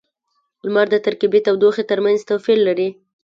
• لمر د ترکيبی تودوخې ترمینځ توپیر لري.